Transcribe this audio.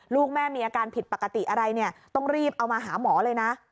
ลูกแม่มีอาการผิดปกติอะไรเนี่ยต้องรีบเอามาหาหมอเลยนะ